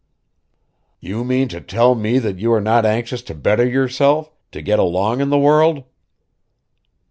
"You mean to tell me that you are not anxious to better yourself, to get along in the world?"